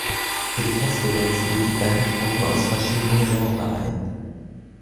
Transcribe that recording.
Für die Festivals lud die Band Gruppen aus verschiedenen Genres ein.